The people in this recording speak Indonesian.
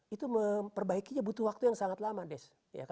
itu memperbaikinya butuh waktu yang sangat lama des